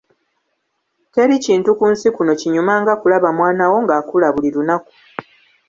Teri kintu ku nsi kuno kinyuma nga kulaba mwana wo ng'akula buli lunaku.